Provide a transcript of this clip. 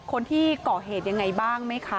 คนที่เกาะเหตุยังเหนื่อยบ้างไหมคะ